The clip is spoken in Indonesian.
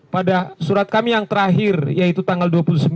pada surat kami yang terakhir yaitu tanggal dua puluh sembilan